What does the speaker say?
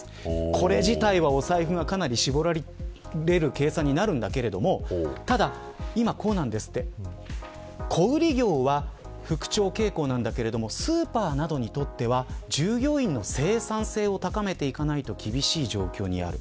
これ自体は、お財布がかなり絞られる計算になりますけど小売業は復調傾向なんだけどスーパーなどにとっては従業員の生産性を高めていかないと厳しい状況にある。